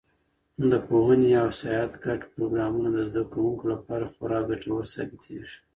د پوهنې او سیاحت ګډ پروګرامونه د زده کوونکو لپاره خورا ګټور ثابتېږي.